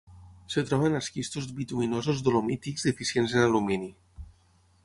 Es troba en esquistos bituminosos dolomítics deficients en alumini.